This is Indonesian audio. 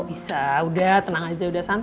bisa udah tenang aja udah santai